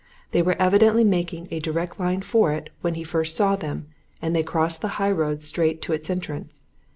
They were evidently making a direct line for it when he first saw them, and they crossed the high road straight to its entrance.